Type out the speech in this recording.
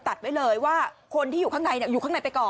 ตัดไว้เลยว่าคนที่อยู่ข้างในอยู่ข้างในไปก่อน